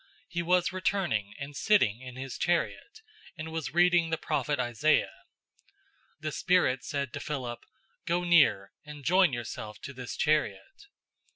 008:028 He was returning and sitting in his chariot, and was reading the prophet Isaiah. 008:029 The Spirit said to Philip, "Go near, and join yourself to this chariot."